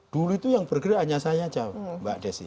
dulu itu yang bergerak hanya saya saja mbak desi